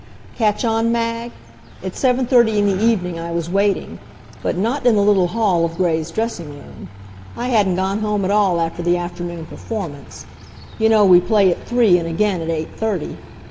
Catch on, Mag? At seven thirty in the evening I was waiting; but not in the little hall of Gray's dressing room. I hadn't gone home at all after the afternoon performance you know we play at three, and again at eight thirty.